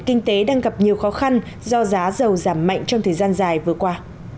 kinh tế đang gặp nhiều khó khăn do giá dầu giảm mạnh trong thời gian dài vừa qua